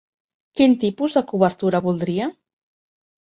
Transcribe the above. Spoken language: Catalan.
Quin tipus de cobertura voldria?